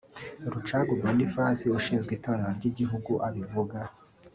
Rucagu Boniface ushinzwe itorero ry’igihugu abivuga